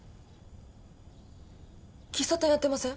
喫茶店やってません？